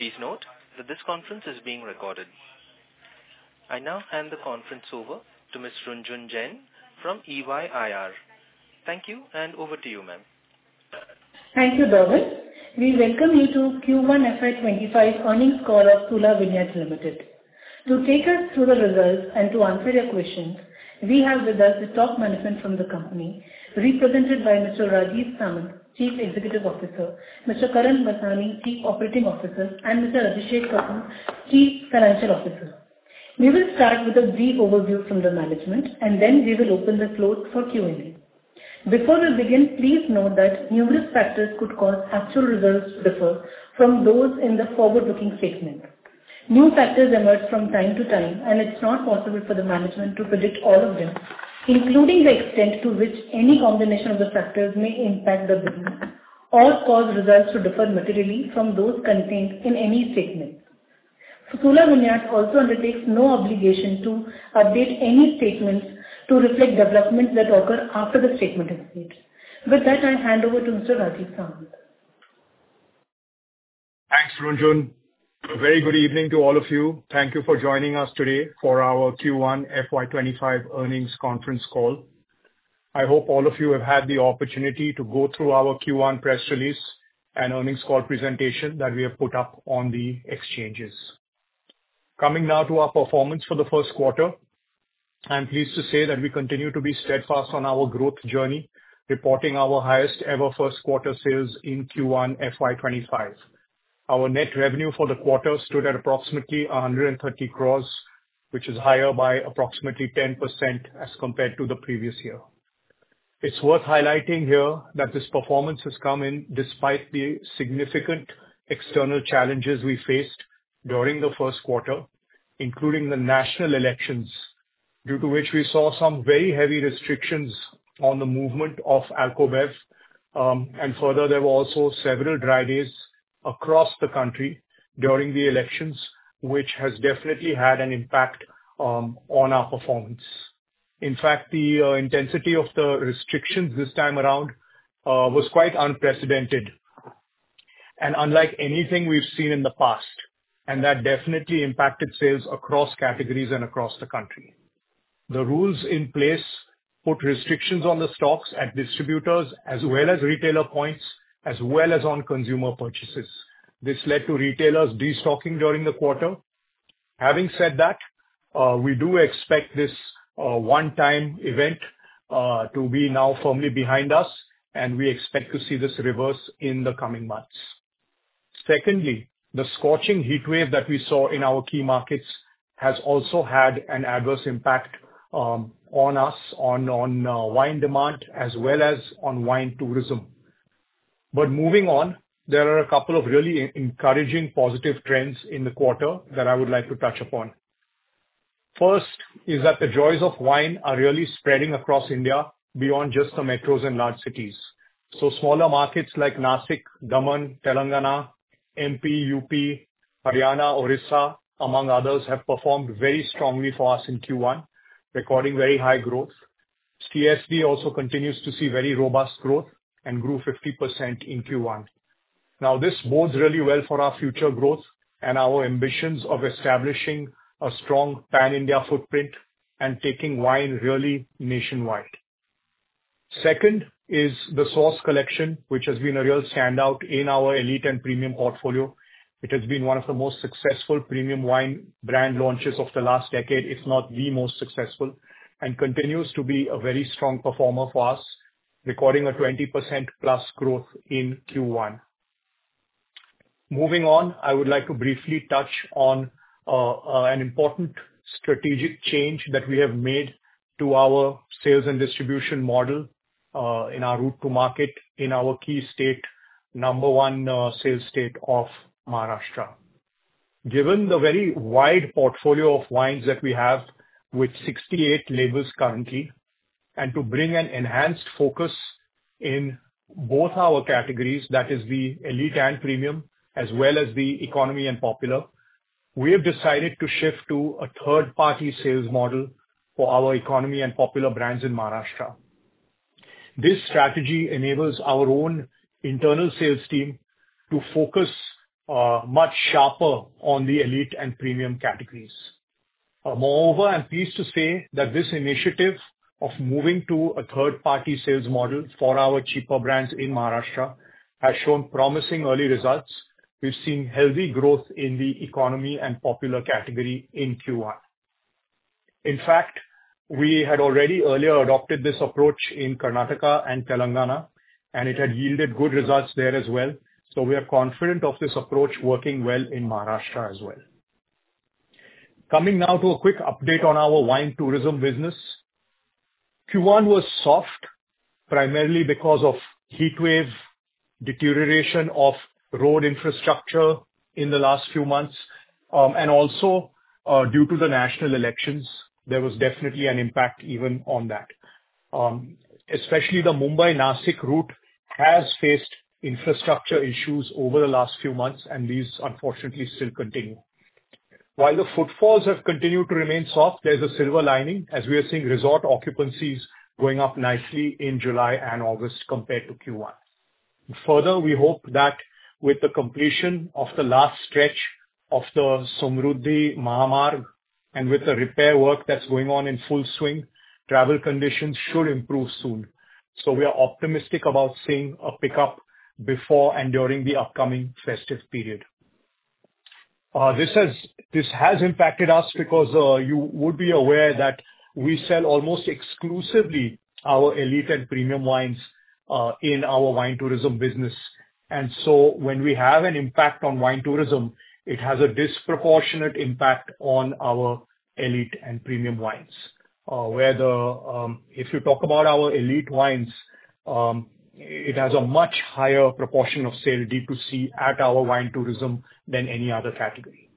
Please note that this conference is being recorded. I now hand the conference over to Ms. Runjhun Jain from EY IR. Thank you, and over to you, ma'am. Thank you, Darwin. We welcome you to Q1 FY25 Earnings Call of Sula Vineyards Limited. To take us through the results and to answer your questions, we have with us the top management from the company, represented by Mr. Rajeev Samant, Chief Executive Officer, Mr. Karan Vasani, Chief Operating Officer, and Mr. Abhishek Kapoor, Chief Financial Officer. We will start with a brief overview from the management, and then we will open the floor for Q&A. Before we begin, please note that numerous factors could cause actual results to differ from those in the forward-looking statement. New factors emerge from time to time, and it's not possible for the management to predict all of them, including the extent to which any combination of the factors may impact the business or cause results to differ materially from those contained in any statement. Sula Vineyards also undertakes no obligation to update any statements to reflect developments that occur after the statement is made. With that, I hand over to Mr. Rajeev Samant. Thanks, Runjhun. A very good evening to all of you. Thank you for joining us today for our Q1 FY25 Earnings Conference Call. I hope all of you have had the opportunity to go through our Q1 press release and earnings call presentation that we have put up on the exchanges. Coming now to our performance for the first quarter, I'm pleased to say that we continue to be steadfast on our growth journey, reporting our highest-ever first-quarter sales in Q1 FY25. Our net revenue for the quarter stood at approximately 130 crores, which is higher by approximately 10% as compared to the previous year. It's worth highlighting here that this performance has come in despite the significant external challenges we faced during the first quarter, including the national elections, due to which we saw some very heavy restrictions on the movement of AlcoBev. Further, there were also several dry days across the country during the elections, which has definitely had an impact on our performance. In fact, the intensity of the restrictions this time around was quite unprecedented and unlike anything we've seen in the past, and that definitely impacted sales across categories and across the country. The rules in place put restrictions on the stocks at distributors as well as retailer points, as well as on consumer purchases. This led to retailers destocking during the quarter. Having said that, we do expect this one-time event to be now firmly behind us, and we expect to see this reverse in the coming months. Secondly, the scorching heatwave that we saw in our key markets has also had an adverse impact on us, on wine demand, as well as on wine tourism. But moving on, there are a couple of really encouraging positive trends in the quarter that I would like to touch upon. First is that the joys of wine are really spreading across India beyond just the metros and large cities. So smaller markets like Nashik, Daman, Telangana, MP, UP, Haryana, Odisha, among others, have performed very strongly for us in Q1, recording very high growth. CSD also continues to see very robust growth and grew 50% in Q1. Now, this bodes really well for our future growth and our ambitions of establishing a strong Pan-India footprint and taking wine really nationwide. Second is The Source collection, which has been a real standout in our Elite and Premium portfolio. It has been one of the most successful premium wine brand launches of the last decade, if not the most successful, and continues to be a very strong performer for us, recording a 20%+ growth in Q1. Moving on, I would like to briefly touch on an important strategic change that we have made to our sales and distribution model in our route to market in our key state, number one sales state of Maharashtra. Given the very wide portfolio of wines that we have with 68 labels currently, and to bring an enhanced focus in both our categories, that is the elite and premium, as well as the economy and popular, we have decided to shift to a third-party sales model for our economy and popular brands in Maharashtra. This strategy enables our own internal sales team to focus much sharper on the elite and premium categories. Moreover, I'm pleased to say that this initiative of moving to a third-party sales model for our cheaper brands in Maharashtra has shown promising early results. We've seen healthy growth in the Economy and Popular category in Q1. In fact, we had already earlier adopted this approach in Karnataka and Telangana, and it had yielded good results there as well. So we are confident of this approach working well in Maharashtra as well. Coming now to a quick update on our wine tourism business, Q1 was soft primarily because of heatwave, deterioration of road infrastructure in the last few months, and also due to the national elections. There was definitely an impact even on that. Especially the Mumbai-Nashik route has faced infrastructure issues over the last few months, and these, unfortunately, still continue. While the footfalls have continued to remain soft, there's a silver lining as we are seeing resort occupancies going up nicely in July and August compared to Q1. Further, we hope that with the completion of the last stretch of the Samruddhi Mahamarg and with the repair work that's going on in full swing, travel conditions should improve soon. So we are optimistic about seeing a pickup before and during the upcoming festive period. This has impacted us because you would be aware that we sell almost exclusively our Elite and Premium wines in our wine tourism business. And so when we have an impact on wine tourism, it has a disproportionate impact on our Elite and Premium wines. If you talk about our Elite wines, it has a much higher proportion of sale D2C at our wine tourism than any other category.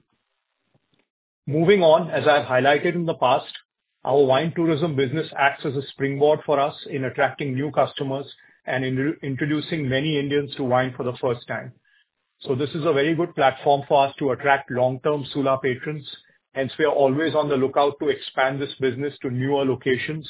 Moving on, as I've highlighted in the past, our wine tourism business acts as a springboard for us in attracting new customers and introducing many Indians to wine for the first time. So this is a very good platform for us to attract long-term Sula patrons. Hence, we are always on the lookout to expand this business to newer locations.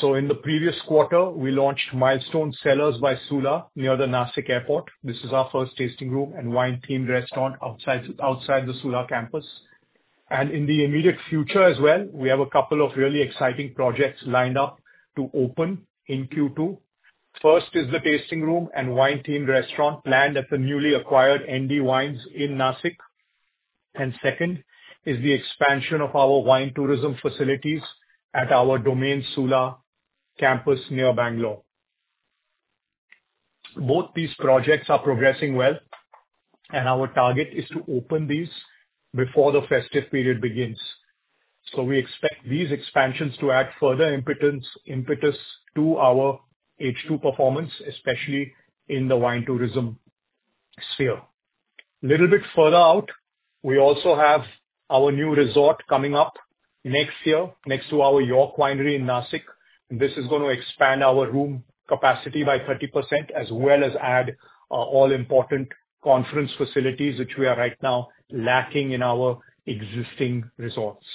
So in the previous quarter, we launched Milestone Cellars by Sula near the Nashik Airport. This is our first tasting room and wine-themed restaurant outside the Sula campus. And in the immediate future as well, we have a couple of really exciting projects lined up to open in Q2. First is the tasting room and wine-themed restaurant planned at the newly acquired ND Wines in Nashik. And second is the expansion of our wine tourism facilities at our Domaine Sula campus near Bangalore. Both these projects are progressing well, and our target is to open these before the festive period begins. So we expect these expansions to add further impetus to our H2 performance, especially in the wine tourism sphere. A little bit further out, we also have our new resort coming up next year next to our York Winery in Nashik. This is going to expand our room capacity by 30% as well as add all-important conference facilities, which we are right now lacking in our existing resorts.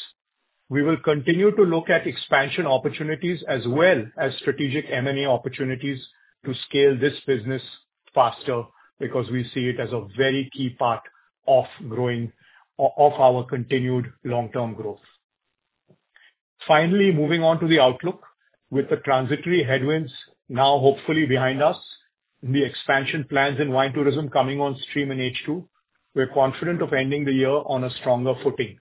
We will continue to look at expansion opportunities as well as strategic M&A opportunities to scale this business faster because we see it as a very key part of our continued long-term growth. Finally, moving on to the outlook with the transitory headwinds now hopefully behind us, the expansion plans in wine tourism coming on stream in H2, we're confident of ending the year on a stronger footing.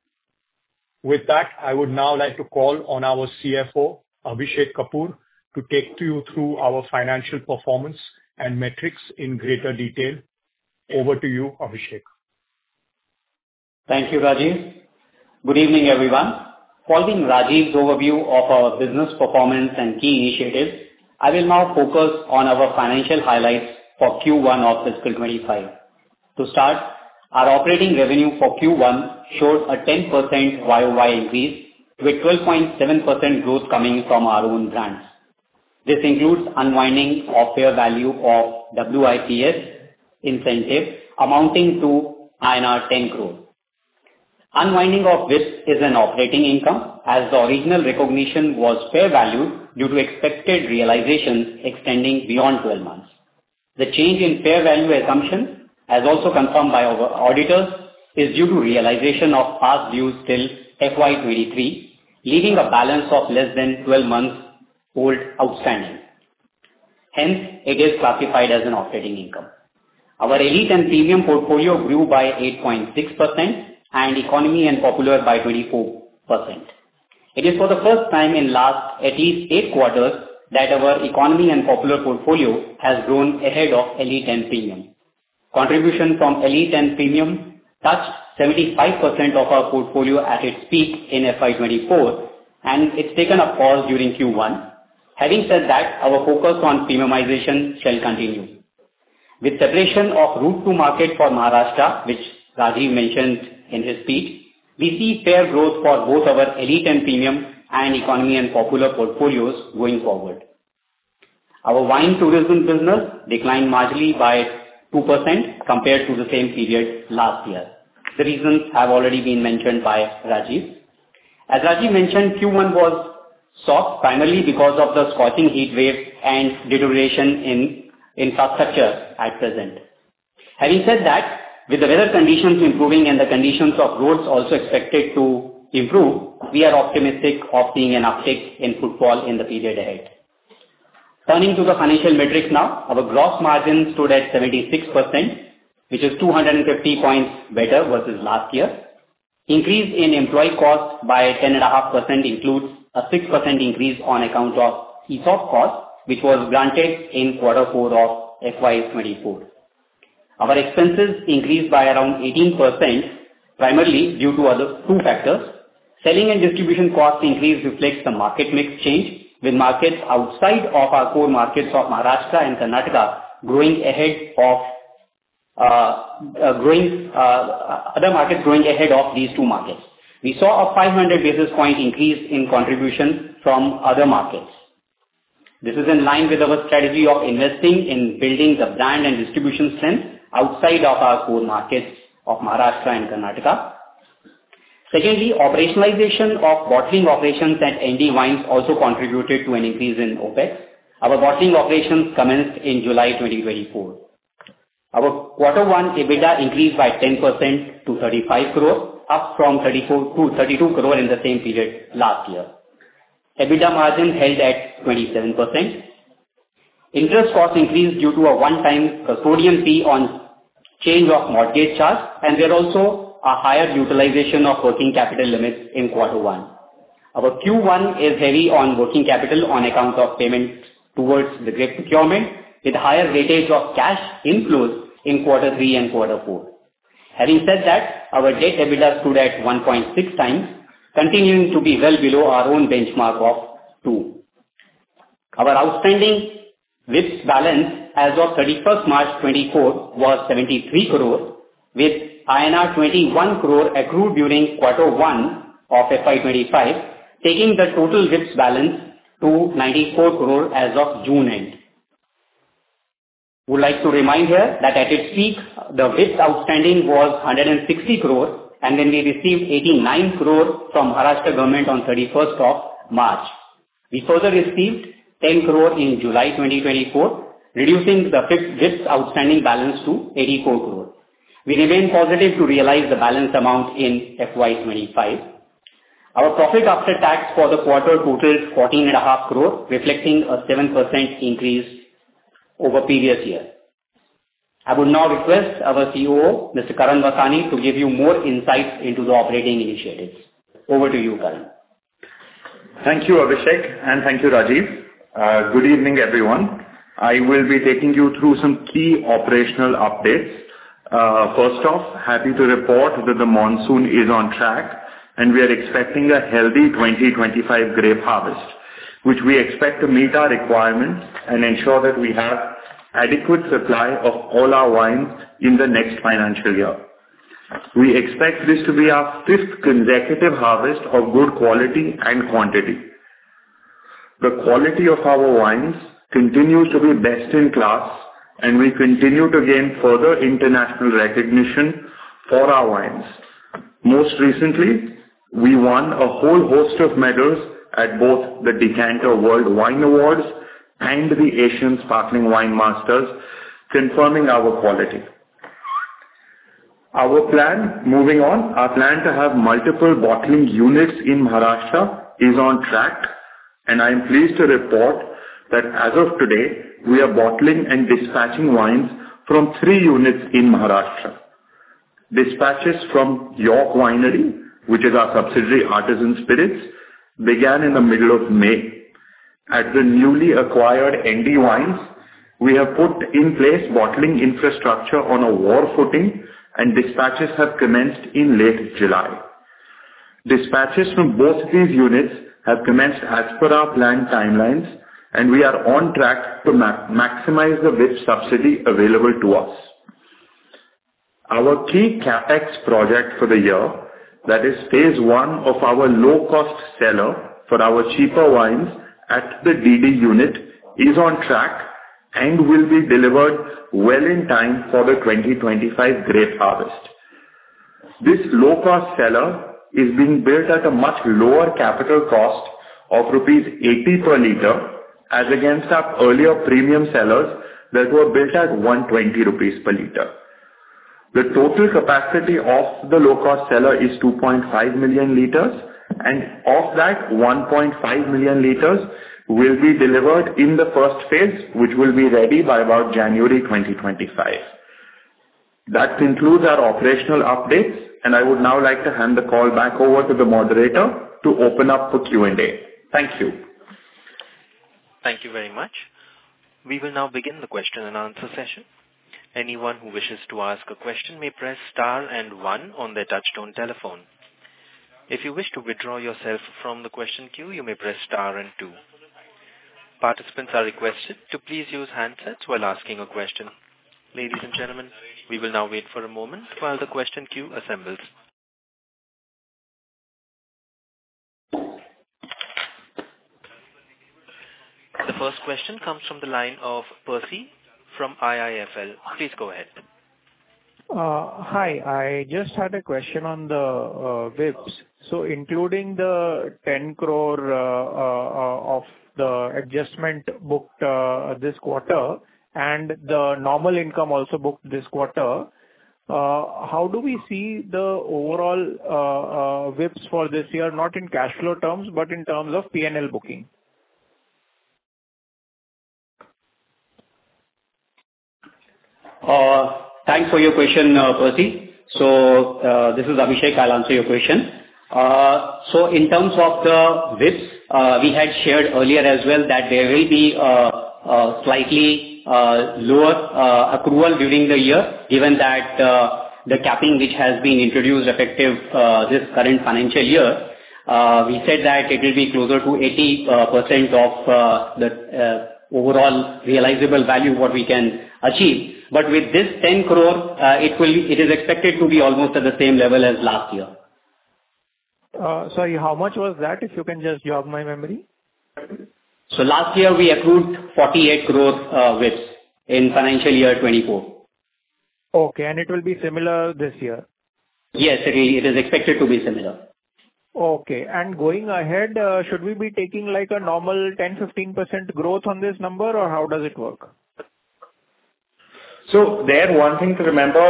With that, I would now like to call on our CFO, Abhishek Kapoor, to take you through our financial performance and metrics in greater detail. Over to you, Abhishek. Thank you, Rajeev. Good evening, everyone. Following Rajeev's overview of our business performance and key initiatives, I will now focus on our financial highlights for Q1 of fiscal 2025. To start, our operating revenue for Q1 showed a 10% YOY increase with 12.7% growth coming from our own brands. This includes unwinding of fair value of WIPS incentive amounting to INR 10 crore. Unwinding of WIPS is an operating income as the original recognition was fair valued due to expected realizations extending beyond 12 months. The change in fair value assumption, as also confirmed by our auditors, is due to realization of past dues till FY2023, leaving a balance of less than 12 months' old outstanding. Hence, it is classified as an operating income. Our Elite and Premium portfolio grew by 8.6% and Economy and Popular by 24%. It is for the first time in at least 8 quarters that our Economy and Popular portfolio has grown ahead of Elite and Premium. Contribution from Elite and Premium touched 75% of our portfolio at its peak in FY24, and it's taken a pause during Q1. Having said that, our focus on premiumization shall continue. With separation of route to market for Maharashtra, which Rajeev mentioned in his speech, we see fair growth for both our Elite and Premium and Economy and Popular portfolios going forward. Our wine tourism business declined marginally by 2% compared to the same period last year. The reasons have already been mentioned by Rajeev. As Rajeev mentioned, Q1 was soft primarily because of the scorching heatwave and deterioration in infrastructure at present. Having said that, with the weather conditions improving and the conditions of roads also expected to improve, we are optimistic of seeing an uptick in footfall in the period ahead. Turning to the financial metrics now, our gross margin stood at 76%, which is 250 points better versus last year. Increase in employee cost by 10.5% includes a 6% increase on account of ESOP cost, which was granted in quarter four of FY24. Our expenses increased by around 18% primarily due to two factors. Selling and distribution cost increase reflects the market mix change, with markets outside of our core markets of Maharashtra and Karnataka growing ahead of other markets growing ahead of these two markets. We saw a 500 basis point increase in contribution from other markets. This is in line with our strategy of investing in building the brand and distribution strength outside of our core markets of Maharashtra and Karnataka. Secondly, operationalization of bottling operations at ND Wines also contributed to an increase in OpEx. Our bottling operations commenced in July 2024. Our quarter one EBITDA increased by 10% to 35 crore, up from 34 to 32 crore in the same period last year. EBITDA margin held at 27%. Interest cost increased due to a one-time custodian fee on change of mortgage charge, and there also a higher utilization of working capital limits in quarter one. Our Q1 is heavy on working capital on account of payment towards the grape procurement with higher weightage of cash inflows in quarter three and quarter four. Having said that, our debt EBITDA stood at 1.6 times, continuing to be well below our own benchmark of 2. Our outstanding WIPS balance as of 31st March 2024 was 73 crore, with INR 21 crore accrued during quarter one of FY25, taking the total WIPS balance to 94 crore as of June end. We would like to remind here that at its peak, the WIPS outstanding was 160 crore, and then we received 89 crore from Maharashtra government on 31st of March. We further received 10 crore in July 2024, reducing the WIPS outstanding balance to 84 crore. We remain positive to realize the balanced amount in FY25. Our profit after tax for the quarter totaled 14.5 crore, reflecting a 7% increase over previous year. I would now request our COO, Mr. Karan Vasani, to give you more insights into the operating initiatives. Over to you, Karan. Thank you, Abhishek, and thank you, Rajeev. Good evening, everyone. I will be taking you through some key operational updates. First off, happy to report that the monsoon is on track, and we are expecting a healthy 2025 grape harvest, which we expect to meet our requirements and ensure that we have adequate supply of all our wines in the next financial year. We expect this to be our fifth consecutive harvest of good quality and quantity. The quality of our wines continues to be best in class, and we continue to gain further international recognition for our wines. Most recently, we won a whole host of medals at both the Decanter World Wine Awards and the Asian Sparkling Wine Masters, confirming our quality. Our plan, moving on, our plan to have multiple bottling units in Maharashtra is on track, and I am pleased to report that as of today, we are bottling and dispatching wines from three units in Maharashtra. Dispatches from York Winery, which is our subsidiary Artisan Spirits, began in the middle of May. At the newly acquired ND Wines, we have put in place bottling infrastructure on a war footing, and dispatches have commenced in late July. Dispatches from both these units have commenced as per our planned timelines, and we are on track to maximize the WIPS subsidy available to us. Our key CapEx project for the year, that is phase one of our low-cost celler for our cheaper wines at the DD unit, is on track and will be delivered well in time for the 2025 grape harvest. This low-cost cellar is being built at a much lower capital cost of rupees 80 per liter, as against our earlier premium cellars that were built at 120 rupees per liter. The total capacity of the low-cost cellar is 2.5 million liters, and of that, 1.5 million liters will be delivered in the first phase, which will be ready by about January 2025. That includes our operational updates, and I would now like to hand the call back over to the moderator to open up for Q&A. Thank you. Thank you very much. We will now begin the question and answer session. Anyone who wishes to ask a question may press star and one on their touch-tone telephone. If you wish to withdraw yourself from the question queue, you may press star and two. Participants are requested to please use handsets while asking a question. Ladies and gentlemen, we will now wait for a moment while the question queue assembles. The first question comes from the line of Percy from IIFL. Please go ahead. Hi. I just had a question on the WIPS. So including the 10 crore of the adjustment booked this quarter and the normal income also booked this quarter, how do we see the overall WIPS for this year, not in cash flow terms but in terms of P&L booking? Thanks for your question, Percy. This is Abhishek. I'll answer your question. In terms of the WIPS, we had shared earlier as well that there will be a slightly lower accrual during the year given that the capping, which has been introduced effective this current financial year, we said that it will be closer to 80% of the overall realizable value what we can achieve. But with this 10 crore, it is expected to be almost at the same level as last year. Sorry, how much was that? If you can just jog my memory. Last year, we accrued 48 crore WIPS in financial year 2024. Okay. It will be similar this year? Yes, it is. It is expected to be similar. Okay. Going ahead, should we be taking a normal 10%-15% growth on this number, or how does it work? So there, one thing to remember,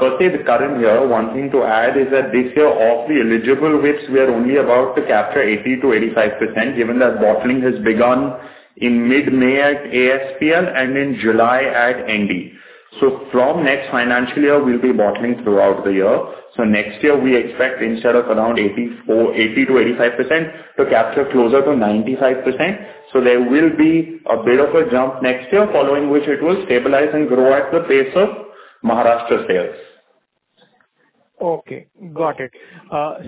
Percy, the current year, one thing to add is that this year, of the eligible WIPS, we are only about to capture 80%-85% given that bottling has begun in mid-May at ASPL and in July at ND. So from next financial year, we'll be bottling throughout the year. So next year, we expect instead of around 80%-85%, to capture closer to 95%. So there will be a bit of a jump next year, following which it will stabilize and grow at the pace of Maharashtra sales. Okay. Got it.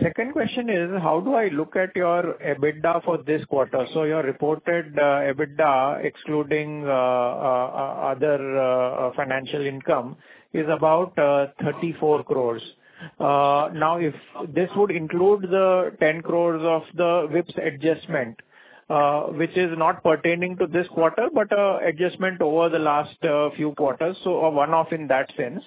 Second question is, how do I look at your EBITDA for this quarter? So your reported EBITDA, excluding other financial income, is about 34 crores. Now, if this would include the 10 crores of the WIPS adjustment, which is not pertaining to this quarter but an adjustment over the last few quarters, so a one-off in that sense.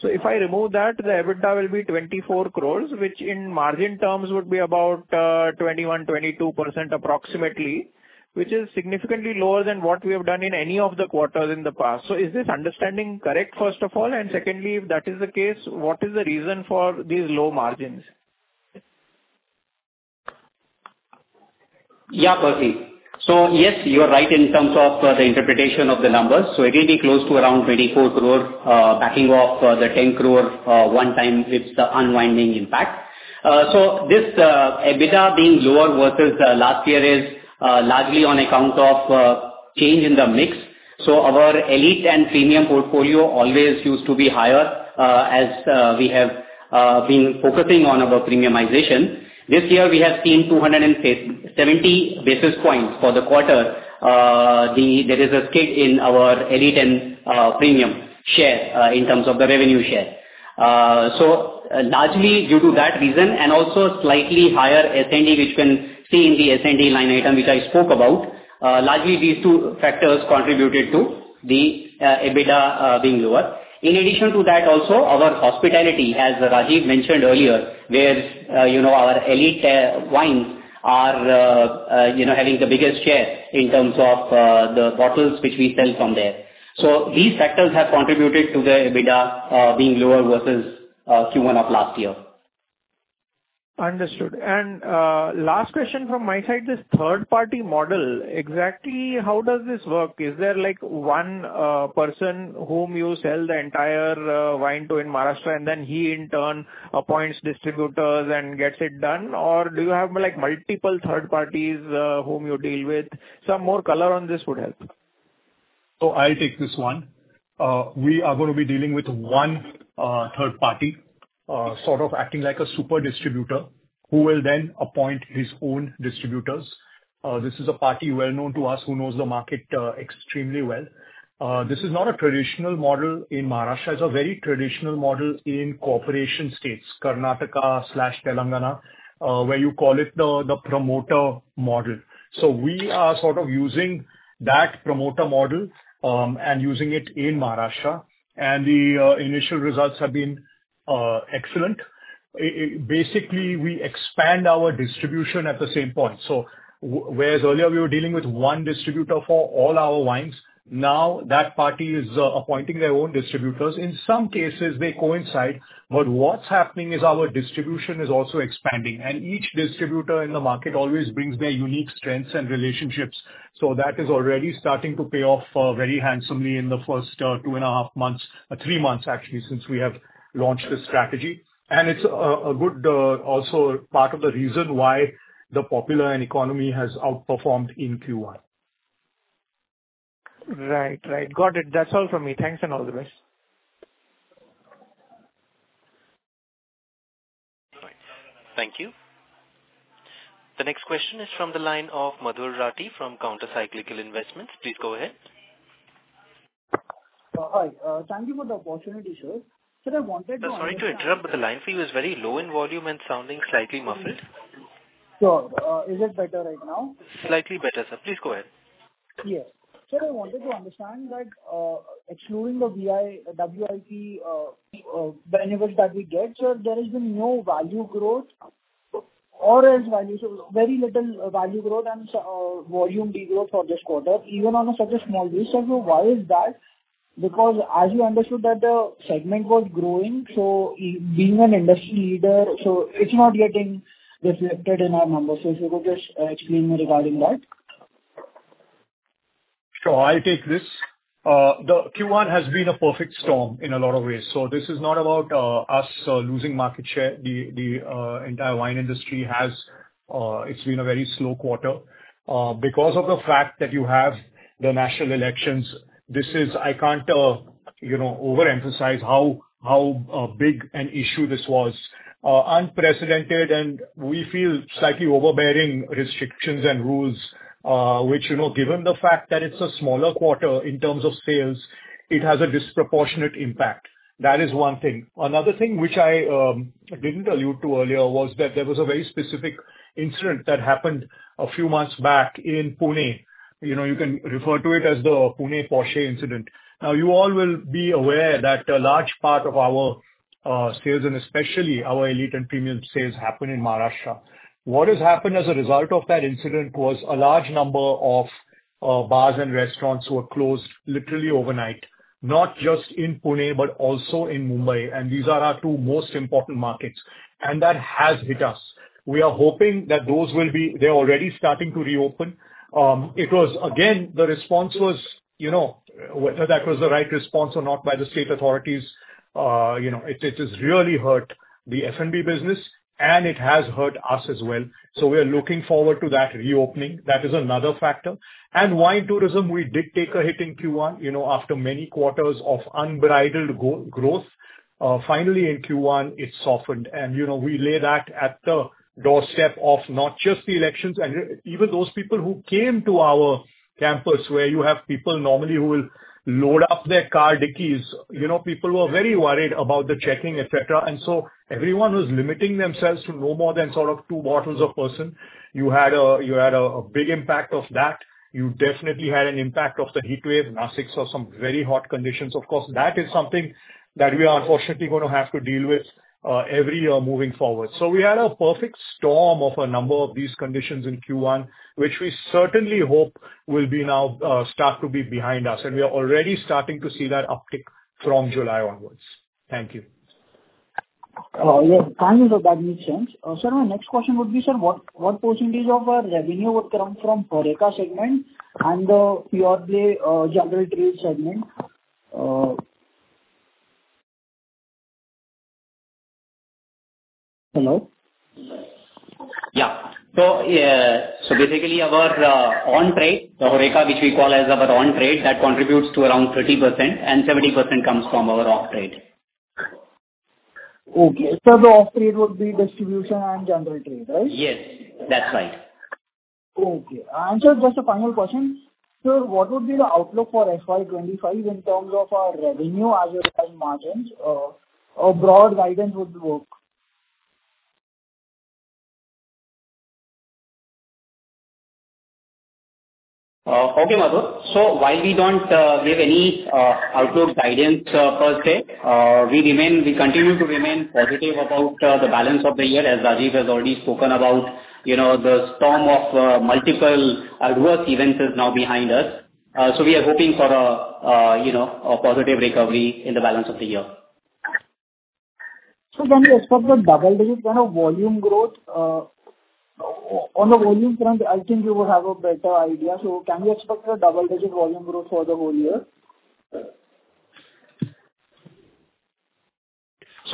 So if I remove that, the EBITDA will be 24 crores, which in margin terms would be about 21%-22% approximately, which is significantly lower than what we have done in any of the quarters in the past. So is this understanding correct, first of all? And secondly, if that is the case, what is the reason for these low margins? Yeah, Percy. So yes, you are right in terms of the interpretation of the numbers. So it really closed to around 24 crore backing off the 10 crore one-time WIPS unwinding impact. So this EBITDA being lower versus last year is largely on account of change in the mix. So our Elite and Premium portfolio always used to be higher as we have been focusing on our premiumization. This year, we have seen 270 basis points for the quarter. There is a skid in our Elite and Premium share in terms of the revenue share. So largely due to that reason and also slightly higher S&E, which we can see in the S&E line item which I spoke about, largely these two factors contributed to the EBITDA being lower. In addition to that, also, our hospitality, as Rajeev mentioned earlier, where our Elite wines are having the biggest share in terms of the bottles which we sell from there. So these factors have contributed to the EBITDA being lower versus Q1 of last year. Understood. And last question from my side, this third-party model, exactly how does this work? Is there one person whom you sell the entire wine to in Maharashtra, and then he in turn appoints distributors and gets it done? Or do you have multiple third parties whom you deal with? Some more color on this would help. So I'll take this one. We are going to be dealing with one third party, sort of acting like a super distributor, who will then appoint his own distributors. This is a party well known to us who knows the market extremely well. This is not a traditional model in Maharashtra. It's a very traditional model in cooperative states, Karnataka/Telangana, where you call it the promoter model. So we are sort of using that promoter model and using it in Maharashtra, and the initial results have been excellent. Basically, we expand our distribution at the same point. So whereas earlier, we were dealing with one distributor for all our wines, now that party is appointing their own distributors. In some cases, they coincide, but what's happening is our distribution is also expanding, and each distributor in the market always brings their unique strengths and relationships. That is already starting to pay off very handsomely in the first 2.5 months 3 months, actually, since we have launched this strategy. It's also part of the reason why the popular economy has outperformed in Q1. Right. Right. Got it. That's all from me. Thanks, and all the best. Thank you. The next question is from the line of Madhur Rathi from Counter Cyclical Investments. Please go ahead. Hi. Thank you for the opportunity, sir. Sir, I wanted to. Sorry to interrupt, but the line for you is very low in volume and sounding slightly muffled. Sure. Is it better right now? Slightly better, sir. Please go ahead. Yes. Sir, I wanted to understand that excluding the WIPS benefits that we get, sir, there has been no value growth or else value so very little value growth and volume degrowth for this quarter, even on such a small WIPS. So why is that? Because as you understood, that segment was growing. So being an industry leader, so it's not getting reflected in our numbers. So if you could just explain regarding that. Sure. I'll take this. The Q1 has been a perfect storm in a lot of ways. So this is not about us losing market share. The entire wine industry has. It's been a very slow quarter. Because of the fact that you have the national elections, I can't overemphasize how big an issue this was. Unprecedented, and we feel slightly overbearing restrictions and rules, which given the fact that it's a smaller quarter in terms of sales, it has a disproportionate impact. That is one thing. Another thing which I didn't allude to earlier was that there was a very specific incident that happened a few months back in Pune. You can refer to it as the Pune Porsche incident. Now, you all will be aware that a large part of our sales and especially our Elite and Premium sales happen in Maharashtra. What has happened as a result of that incident was a large number of bars and restaurants were closed literally overnight, not just in Pune but also in Mumbai. And these are our two most important markets, and that has hit us. We are hoping that those will be. They're already starting to reopen. Again, the response was whether that was the right response or not by the state authorities. It has really hurt the F&B business, and it has hurt us as well. So we are looking forward to that reopening. That is another factor. And wine tourism, we did take a hit in Q1 after many quarters of unbridled growth. Finally, in Q1, it softened. And we lay that at the doorstep of not just the elections and even those people who came to our campus where you have people normally who will load up their car dickies. People were very worried about the checking, etc. And so everyone was limiting themselves to no more than sort of two bottles a person. You had a big impact of that. You definitely had an impact of the heatwave, Nashik's, or some very hot conditions. Of course, that is something that we are unfortunately going to have to deal with every year moving forward. So we had a perfect storm of a number of these conditions in Q1, which we certainly hope will now start to be behind us. And we are already starting to see that uptick from July onwards. Thank you. Thank you for that new change. Sir, my next question would be, sir, what percentage of our revenue would come from HoReCa segment and the pure play general trade segment? Hello? Yeah. So basically, our on-trade, the HoReCa, which we call as our on-trade, that contributes to around 30%, and 70% comes from our off-trade. Okay. So the off-trade would be distribution and general trade, right? Yes. That's right. Okay. Sir, just a final question. Sir, what would be the outlook for FY25 in terms of our revenue as well as margins? A broad guidance would work. Okay, Madhur. So while we don't give any outlook guidance, Percy, we continue to remain positive about the balance of the year as Rajeev has already spoken about the storm of multiple adverse events is now behind us. So we are hoping for a positive recovery in the balance of the year. Can we expect a double-digit kind of volume growth? On the volume front, I think you will have a better idea. Can we expect a double-digit volume growth for the whole year?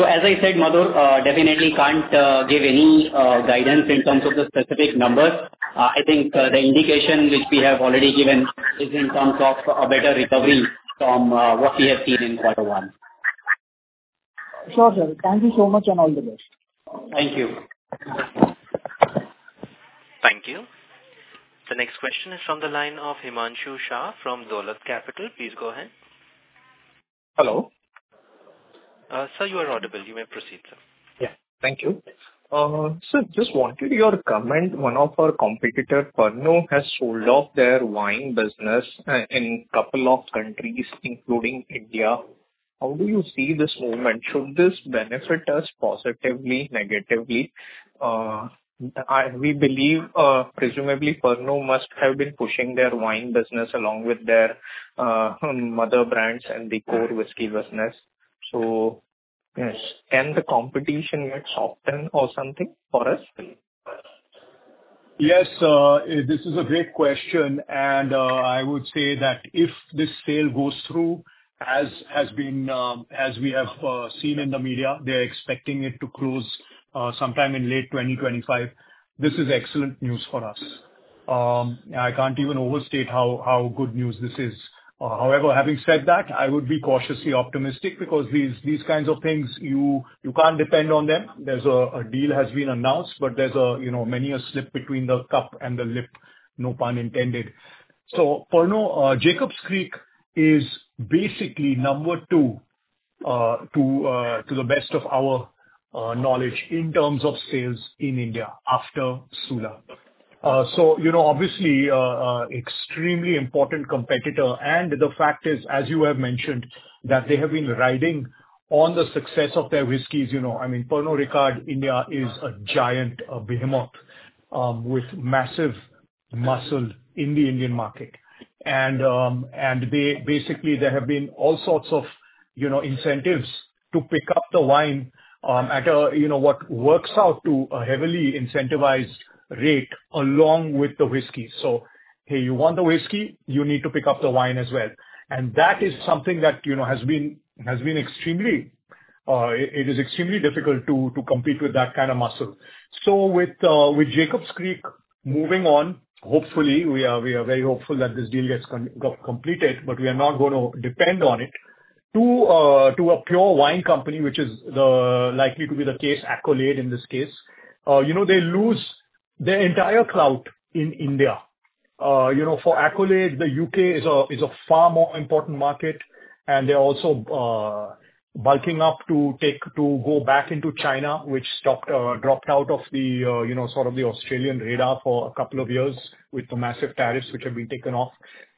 As I said, Madhur definitely can't give any guidance in terms of the specific numbers. I think the indication which we have already given is in terms of a better recovery from what we have seen in quarter one. Sure, sir. Thank you so much and all the best. Thank you. Thank you. The next question is from the line of Himanshu Shah from Dolat Capital. Please go ahead. Hello? Sir, you are audible. You may proceed, sir. Yeah. Thank you. Sir, just wanted your comment. One of our competitors, Pernod Ricard, has sold off their wine business in a couple of countries, including India. How do you see this movement? Should this benefit us positively, negatively? We believe, presumably, Pernod Ricard must have been pushing their wine business along with their mother brands and the core whisky business. So can the competition get softened or something for us? Yes. This is a great question. I would say that if this sale goes through, as we have seen in the media, they're expecting it to close sometime in late 2025. This is excellent news for us. I can't even overstate how good news this is. However, having said that, I would be cautiously optimistic because these kinds of things, you can't depend on them. A deal has been announced, but many are slipped between the cup and the lip, no pun intended. So Pernod, Jacob's Creek is basically number two to the best of our knowledge in terms of sales in India after Sula. So obviously, extremely important competitor. And the fact is, as you have mentioned, that they have been riding on the success of their whiskies. I mean, Pernod Ricard, India is a giant behemoth with massive muscle in the Indian market. And basically, there have been all sorts of incentives to pick up the wine at what works out to a heavily incentivized rate along with the whisky. So, hey, you want the whisky, you need to pick up the wine as well. And that is something that has been extremely, it is extremely difficult to compete with that kind of muscle. So with Jacob's Creek moving on, hopefully, we are very hopeful that this deal gets completed, but we are not going to depend on it. To a pure wine company, which is likely to be the case, Accolade in this case, they lose their entire clout in India. For Accolade, the U.K. is a far more important market, and they're also bulking up to go back into China, which dropped out of sort of the Australian radar for a couple of years with the massive tariffs which have been taken off.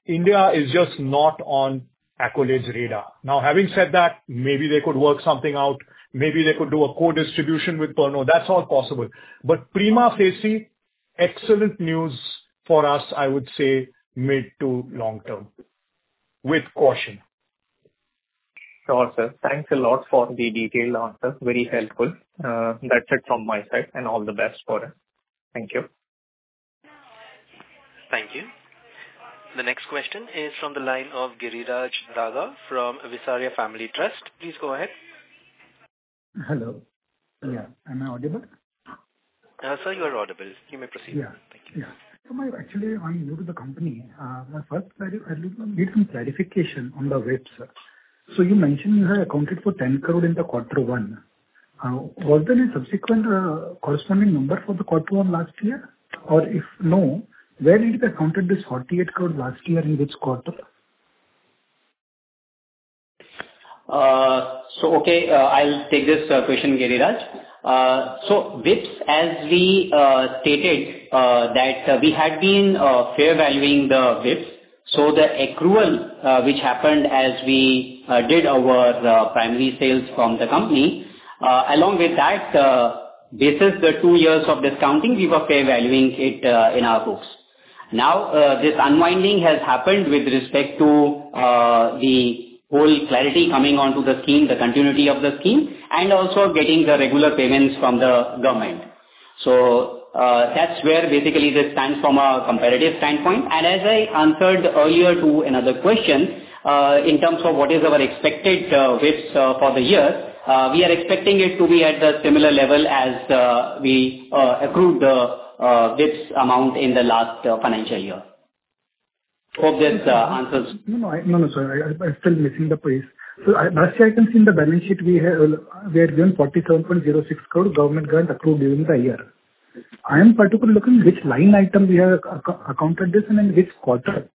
India is just not on Accolade's radar. Now, having said that, maybe they could work something out. Maybe they could do a co-distribution with Pernod. That's all possible. But prima facie, excellent news for us, I would say, mid to long-term with caution. Sure, sir. Thanks a lot for the detailed answer. Very helpful. That's it from my side, and all the best for us. Thank you. Thank you. The next question is from the line of Giriraj Daga from Visaria Family Trust. Please go ahead. Hello. Yeah. Am I audible? Sir, you are audible. You may proceed. Yeah. Thank you. Yeah. Actually, I'm new to the company. My first, I need some clarification on the debt, sir. So you mentioned you have accounted for 10 crore in the quarter one. Was there a subsequent corresponding number for the quarter one last year? Or if no, where did you account this 48 crore last year in which quarter? So, okay, I'll take this question, Giriraj. So WIPS, as we stated, that we had been fair valuing the WIPS. So the accrual, which happened as we did our primary sales from the company, along with that, basis the two years of discounting, we were fair valuing it in our books. Now, this unwinding has happened with respect to the whole clarity coming onto the scheme, the continuity of the scheme, and also getting the regular payments from the government. So that's where basically this stands from a competitive standpoint. And as I answered earlier to another question, in terms of what is our expected WIPS for the year, we are expecting it to be at the similar level as we accrued the WIPS amount in the last financial year. Hope this answers. No, no. No, no, sir. I'm still missing the place. So last year, I can see in the balance sheet, we had given 47.06 crore, government grant accrued during the year. I am particularly looking which line item we have accounted this and in which quarter.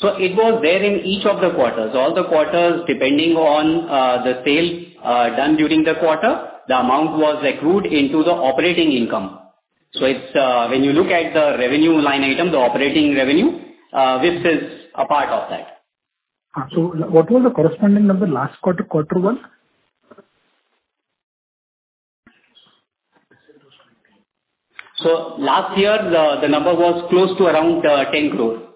It was there in each of the quarters. All the quarters, depending on the sale done during the quarter, the amount was accrued into the operating income. When you look at the revenue line item, the operating revenue, WIPS is a part of that. What was the corresponding number last quarter, quarter one? Last year, the number was close to around 10 crore.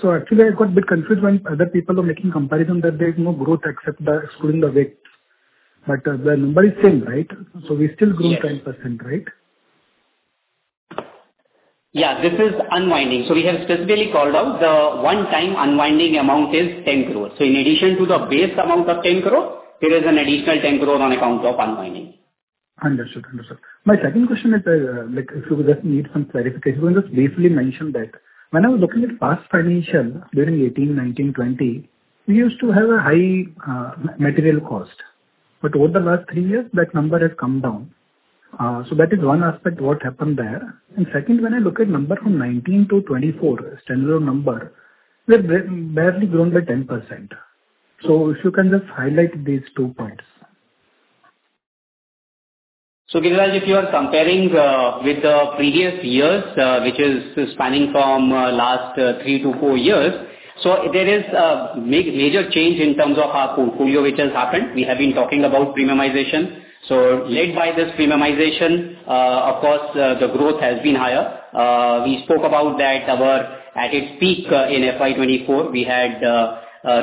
So actually, I got a bit confused when other people are making comparison that there's no growth excluding the WIPS. But the number is same, right? So we still grew 10%, right? Yeah. This is unwinding. So we have specifically called out the one-time unwinding amount is 10 crore. So in addition to the base amount of 10 crore, there is an additional 10 crore on account of unwinding. Understood. Understood. My second question is, if you would just need some clarification, you can just briefly mention that when I was looking at past financial during 2018, 2019, 2020, we used to have a high material cost. But over the last three years, that number has come down. So that is one aspect what happened there. And second, when I look at number from 2019 to 2024, standard number, we're barely grown by 10%. So if you can just highlight these two points. So, Giriraj, if you are comparing with the previous years, which is spanning from last three to four years, so there is a major change in terms of our portfolio, which has happened. We have been talking about premiumization. So led by this premiumization, of course, the growth has been higher. We spoke about that at its peak in FY24, we had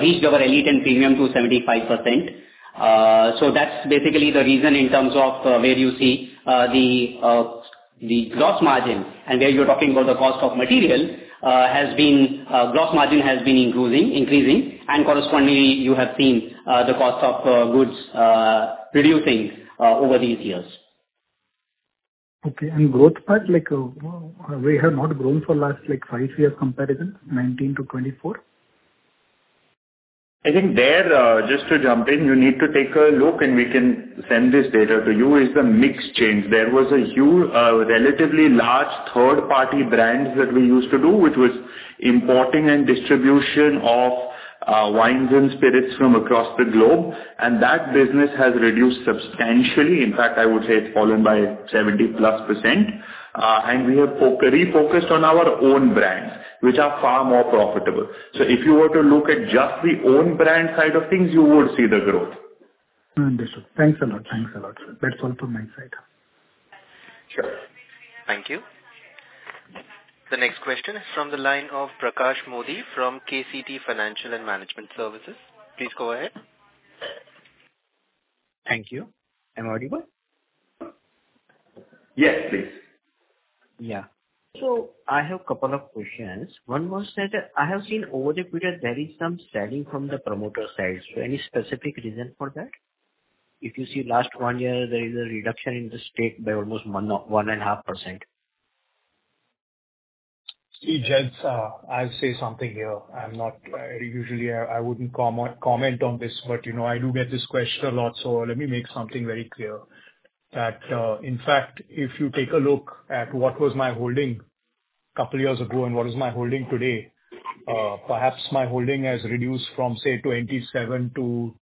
reached our Elite and Premium to 75%. So that's basically the reason in terms of where you see the gross margin and where you're talking about the cost of material has been gross margin has been increasing. And correspondingly, you have seen the cost of goods reducing over these years. Okay. Growth part, we have not grown for the last five years comparison 2019 to 2024? I think there, just to jump in, you need to take a look, and we can send this data to you, is the mix change. There was a relatively large third-party brands that we used to do, which was importing and distribution of wines and spirits from across the globe. And that business has reduced substantially. In fact, I would say it's fallen by 70%+. And we have refocused on our own brands, which are far more profitable. So if you were to look at just the own brand side of things, you would see the growth. Understood. Thanks a lot. Thanks a lot, sir. That's all from my side. Sure. Thank you. The next question is from the line of Prakash Modi from KCT Financial and Management Services. Please go ahead. Thank you. Am I audible? Yes, please. Yeah. So I have a couple of questions. One was that I have seen over the period, there is some selling from the promoter side. So any specific reason for that? If you see last one year, there is a reduction in the stake by almost 1.5%. See, Jed, I'll say something here. Usually, I wouldn't comment on this, but I do get this question a lot. So let me make something very clear. In fact, if you take a look at what was my holding a couple of years ago and what is my holding today, perhaps my holding has reduced from, say, 27%-25%.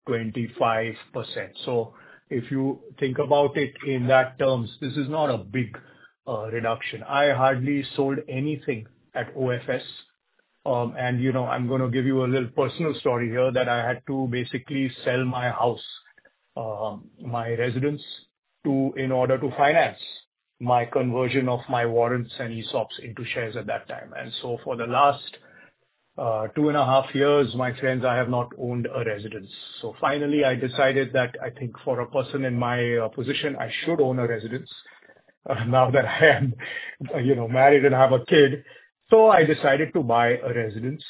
So if you think about it in that terms, this is not a big reduction. I hardly sold anything at OFS. And I'm going to give you a little personal story here that I had to basically sell my house, my residence, in order to finance my conversion of my warrants and ESOPs into shares at that time. And so for the last two and a half years, my friends, I have not owned a residence. So finally, I decided that I think for a person in my position, I should own a residence now that I am married and have a kid. So I decided to buy a residence.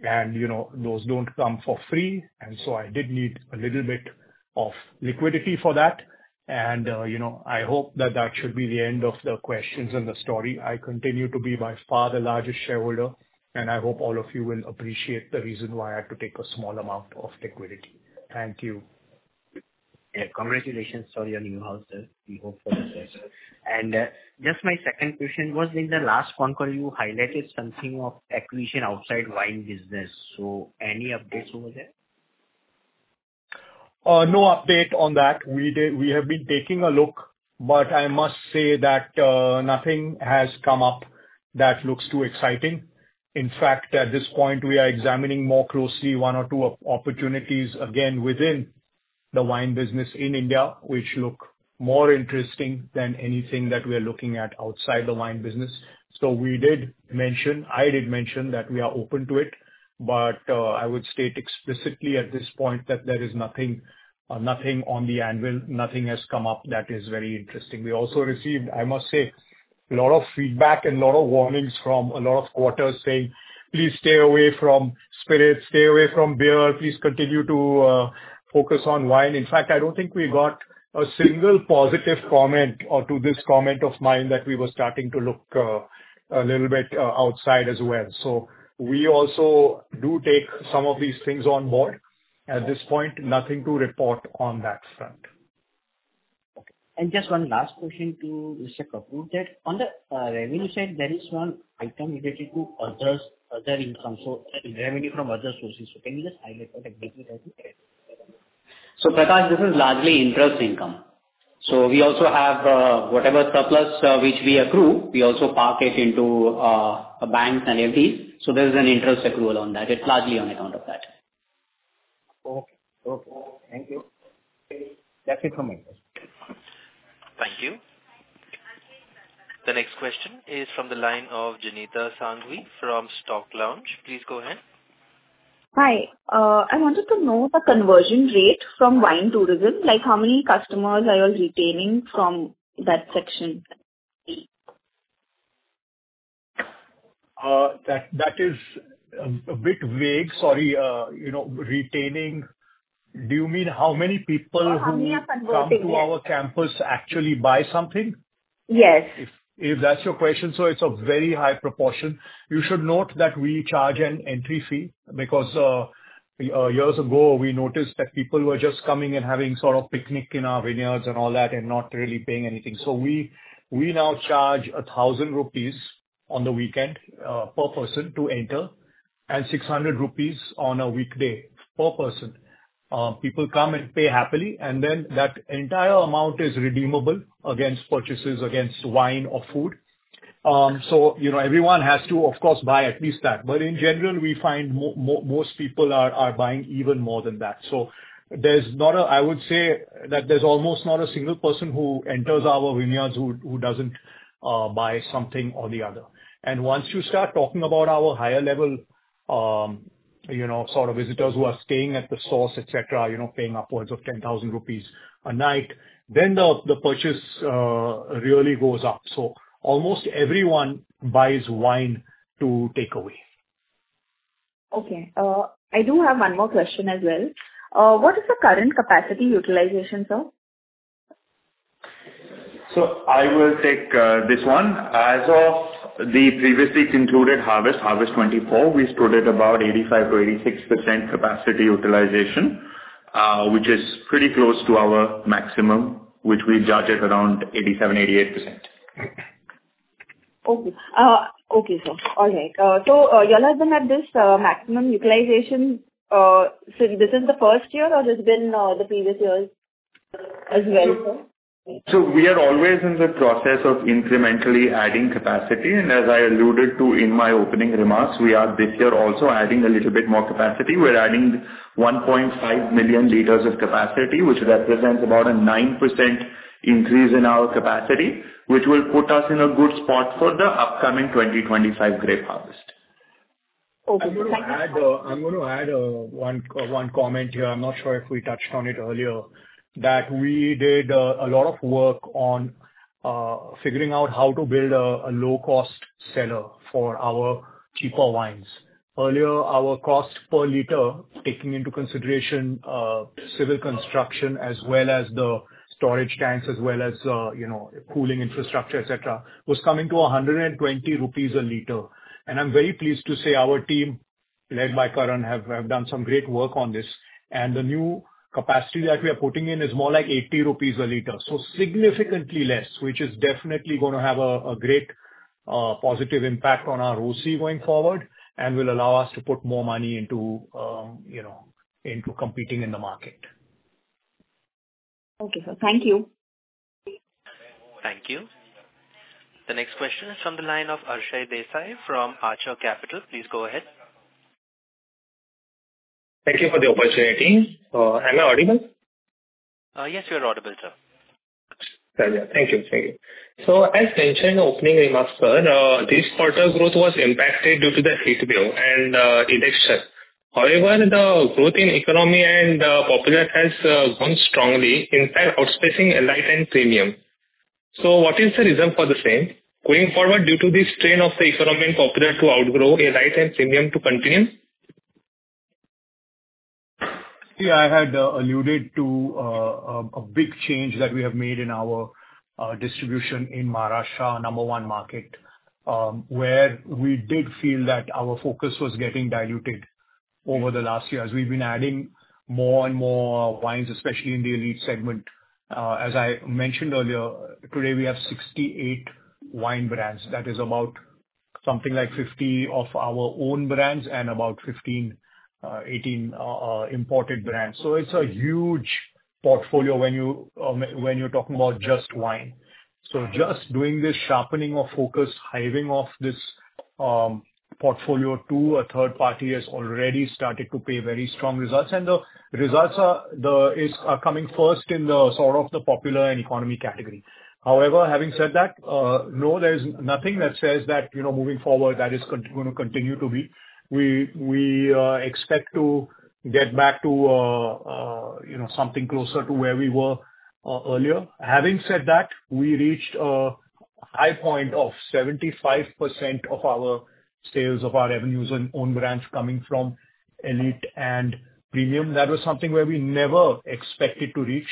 And those don't come for free. And so I did need a little bit of liquidity for that. And I hope that that should be the end of the questions and the story. I continue to be by far the largest shareholder. And I hope all of you will appreciate the reason why I had to take a small amount of liquidity. Thank you. Yeah. Congratulations on your new house, sir. We hope for the best. Just my second question was, in the last phone call, you highlighted something of acquisition outside wine business. So any updates over there? No update on that. We have been taking a look, but I must say that nothing has come up that looks too exciting. In fact, at this point, we are examining more closely one or two opportunities again within the wine business in India, which look more interesting than anything that we are looking at outside the wine business. So I did mention that we are open to it. But I would state explicitly at this point that there is nothing on the anvil. Nothing has come up that is very interesting. We also received, I must say, a lot of feedback and a lot of warnings from a lot of quarters saying, "Please stay away from spirits. Stay away from beer. Please continue to focus on wine." In fact, I don't think we got a single positive comment or to this comment of mine that we were starting to look a little bit outside as well. So we also do take some of these things on board. At this point, nothing to report on that front. Okay. Just one last question to Mr. Kapoor: on the revenue side, there is one item related to other income, revenue from other sources. Can you just highlight that exactly? Prakash, this is largely interest income. We also have whatever surplus which we accrue; we also park it into banks and FDs. There is an interest accrual on that. It's largely on account of that. Okay. Okay. Thank you. That's it from my side. Thank you. The next question is from the line of Janita Sanghavi from Stock Lounge. Please go ahead. Hi. I wanted to know the conversion rate from wine tourism. How many customers are you retaining from that section? That is a bit vague. Sorry. Retaining, do you mean how many people who come to our campus actually buy something? Yes. If that's your question, so it's a very high proportion. You should note that we charge an entry fee because years ago, we noticed that people were just coming and having sort of picnic in our vineyards and all that and not really paying anything. So we now charge 1,000 rupees on the weekend per person to enter and 600 rupees on a weekday per person. People come and pay happily, and then that entire amount is redeemable against purchases against wine or food. So everyone has to, of course, buy at least that. But in general, we find most people are buying even more than that. So I would say that there's almost not a single person who enters our vineyards who doesn't buy something or the other. Once you start talking about our higher-level sort of visitors who are staying at The Source, etc., paying upwards of 10,000 rupees a night, then the purchase really goes up. Almost everyone buys wine to take away. Okay. I do have one more question as well. What is the current capacity utilization, sir? So I will take this one. As of the previously concluded harvest, Harvest 2024, we scored it about 85%-86% capacity utilization, which is pretty close to our maximum, which we judge at around 87%-88%. Okay. Okay, sir. All right. So you're looking at this maximum utilization. So this is the first year or has it been the previous years as well, sir? We are always in the process of incrementally adding capacity. As I alluded to in my opening remarks, we are this year also adding a little bit more capacity. We're adding 1.5 million liters of capacity, which represents about a 9% increase in our capacity, which will put us in a good spot for the upcoming 2025 grape harvest. Okay. Thank you. I'm going to add one comment here. I'm not sure if we touched on it earlier, that we did a lot of work on figuring out how to build a low-cost seller for our cheaper wines. Earlier, our cost per liter, taking into consideration civil construction as well as the storage tanks as well as cooling infrastructure, etc., was coming to 120 rupees a liter. And I'm very pleased to say our team, led by Karan, have done some great work on this. And the new capacity that we are putting in is more like 80 rupees a liter, so significantly less, which is definitely going to have a great positive impact on our OC going forward and will allow us to put more money into competing in the market. Okay, sir. Thank you. Thank you. The next question is from the line of Arshay Desai from Archer Capital. Please go ahead. Thank you for the opportunity. Am I audible? Yes, you're audible, sir. Thank you. Thank you. So as mentioned in the opening remarks, sir, this quarter growth was impacted due to the heat wave and elections. However, the growth in Economy and Popular has grown strongly, in fact, outpacing Elite and Premium. So what is the reason for the same? Going forward, due to the strain of the Economy and Popular to outgrow, Elite and Premium to continue? Yeah. I had alluded to a big change that we have made in our distribution in Maharashtra, number one market, where we did feel that our focus was getting diluted over the last year as we've been adding more and more wines, especially in the elite segment. As I mentioned earlier, today, we have 68 wine brands. That is about something like 50 of our own brands and about 15, 18 imported brands. So it's a huge portfolio when you're talking about just wine. So just doing this sharpening of focus, hiving off this portfolio to a third party has already started to pay very strong results. And the results are coming first in sort of the popular and economy category. However, having said that, no, there's nothing that says that moving forward, that is going to continue to be. We expect to get back to something closer to where we were earlier. Having said that, we reached a high point of 75% of our sales of our revenues and own brands coming from Elite and Premium. That was something where we never expected to reach.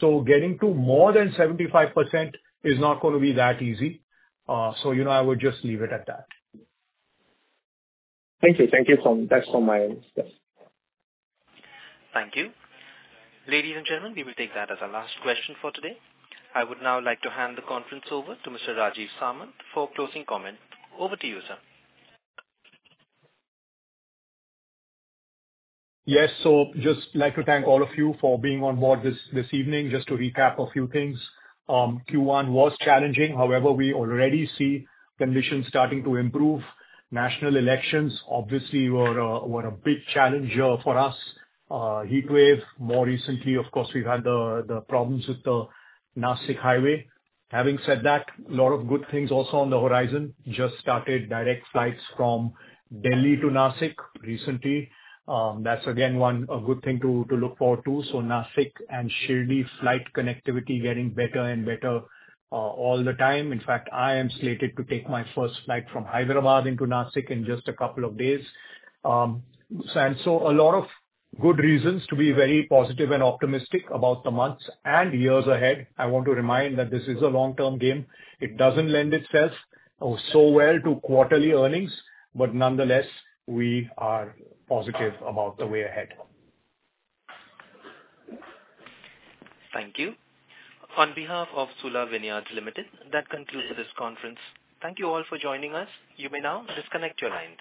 So getting to more than 75% is not going to be that easy. So I would just leave it at that. Thank you. Thank you. That's from my end, sir. Thank you. Ladies and gentlemen, we will take that as our last question for today. I would now like to hand the conference over to Mr. Rajeev Samant for closing comment. Over to you, sir. Yes. So just like to thank all of you for being on board this evening. Just to recap a few things, Q1 was challenging. However, we already see conditions starting to improve. National elections, obviously, were a big challenge for us. Heat wave, more recently, of course, we've had the problems with the Nashik highway. Having said that, a lot of good things also on the horizon. Just started direct flights from Delhi to Nashik recently. That's, again, a good thing to look forward to. So Nashik and Shirdi flight connectivity getting better and better all the time. In fact, I am slated to take my first flight from Hyderabad into Nashik in just a couple of days. So a lot of good reasons to be very positive and optimistic about the months and years ahead. I want to remind that this is a long-term game. It doesn't lend itself so well to quarterly earnings, but nonetheless, we are positive about the way ahead. Thank you. On behalf of Sula Vineyards Limited, that concludes this conference. Thank you all for joining us. You may now disconnect your lines.